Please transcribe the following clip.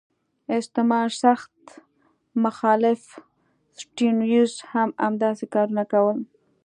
استعمار سخت مخالف سټیونز هم همداسې کارونه کول.